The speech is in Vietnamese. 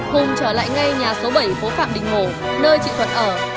hùng trở lại ngay nhà số bảy phố phạm đình hồ nơi chị thuận ở